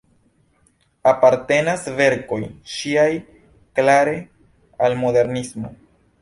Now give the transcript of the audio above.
Apartenas verkoj ŝiaj klare al modernismo.